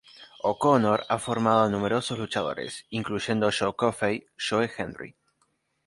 O'Connor ha formado a numerosos luchadores, incluyendo Joe Coffey, Joe Hendry.